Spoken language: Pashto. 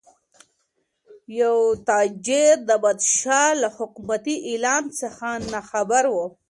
یو تاجر د پادشاه له حکومتي اعلان څخه ناخبره و.